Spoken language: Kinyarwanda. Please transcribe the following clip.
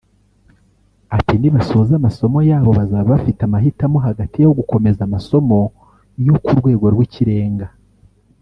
Ati “Nibasoza amasomo yabo bazaba bafite amahitamo hagati yo gukomeza amasomo yo ku rwego rw’ikirenga